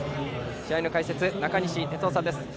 試合の解説、中西哲生さんです。